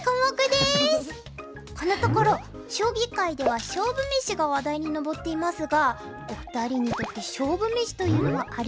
このところ将棋界では勝負めしが話題に上っていますがお二人にとって勝負めしというのはありますか？